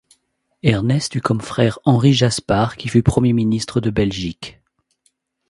Ernest eut comme frère Henri Jaspar qui fut premier ministre de Belgique.